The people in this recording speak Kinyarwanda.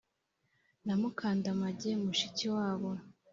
na mukandamage mushiki wabo